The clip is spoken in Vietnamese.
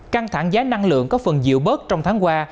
căng thẳng giá năng lượng có phần dịu bớt trong tháng qua